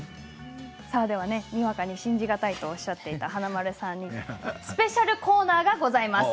にわかに信じがたいとおっしゃっていた華丸さんにスペシャルコーナーがございます。